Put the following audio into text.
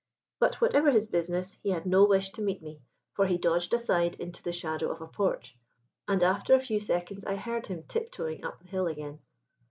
But, whatever his business, he had no wish to meet me, for he dodged aside into the shadow of a porch, and after a few seconds I heard him tip toeing up the hill again.